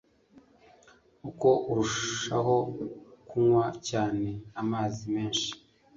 Uko urushaho kunywa cyane amazi menshi